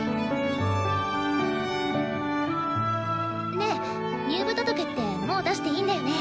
ねえ入部届ってもう出していいんだよね？